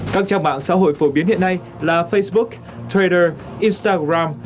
các trang mạng xã hội phổ biến hiện nay là facebook twiter instagram